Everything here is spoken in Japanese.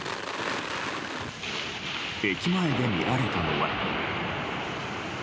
駅前で見られたのは。